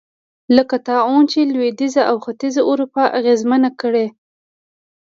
لکه طاعون چې لوېدیځه او ختیځه اروپا اغېزمن کړه.